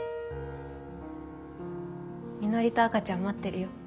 みのりと赤ちゃん待ってるよ。